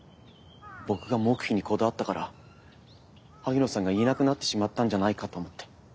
僕が黙秘にこだわったから萩野さんが言えなくなってしまったんじゃないかと思って。